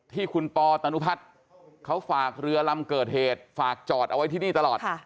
ที่คุณปอตนุพัฒน์เขาฝากเรือลำเกิดเหตุฝากจอดเอาไว้ที่นี่ตลอด